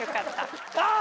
ああ！